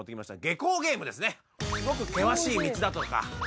下校ゲームですね。